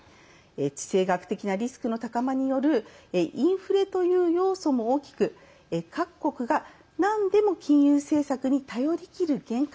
地政学的なリスクの高まりによるインフレという要素も大きく各国が、なんでも金融政策に頼りきる限界。